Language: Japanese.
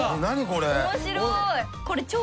何これ。